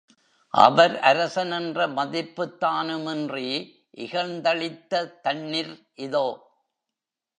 அவர் அரசன் என்ற மதிப்புத்தானுமின்றி, இகழ்ந்தளித்த தண்ணிர் இதோ!